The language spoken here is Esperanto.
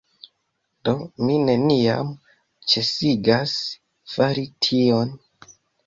Do mi neniam ĉesigas fari tion